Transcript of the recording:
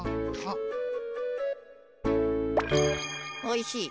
おいしい。